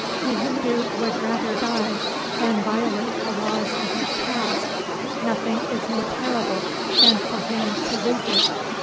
The Hindu would rather die than violate the laws of his caste. Nothing is more terrible than for him to lose it.